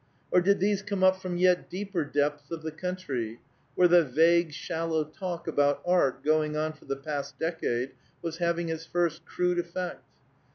Or did these come up from yet deeper depths of the country, where the vague, shallow talk about art going on for the past decade was having its first crude effect?